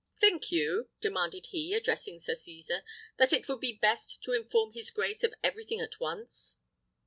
"Think you," demanded he, addressing Sir Cesar, "that it would be best to inform his grace of everything at once?"